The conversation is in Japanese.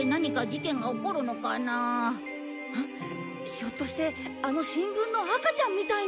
ひょっとしてあの新聞の赤ちゃんみたいに。